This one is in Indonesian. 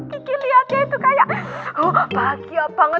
kiki lihatnya itu kayak bahagia banget